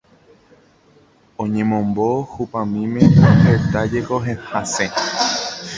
Oñemombo hupamíme ha hetájeko hasẽ.